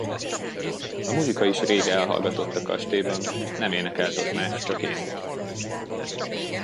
A muzsika is rég elhallgatott a kastélyban, nem énekelt ott más, csak én.